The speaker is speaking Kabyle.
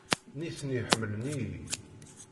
Nitni ḥemmlen-iyi.